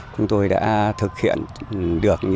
chúng tôi đã thực hiện được